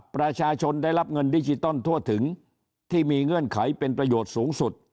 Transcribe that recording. ประชาชนได้รับเงินดิจิตอลทั่วถึงที่มีเงื่อนไขเป็นประโยชน์สูงสุด